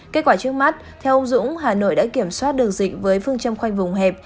kết quả trước mắt theo ông dũng hà nội đã kiểm soát được dịch với phương châm khoanh vùng hẹp